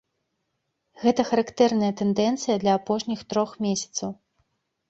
Гэта характэрная тэндэнцыя для апошніх трох месяцаў.